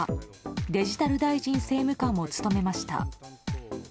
デジタル大臣政務官も務めました。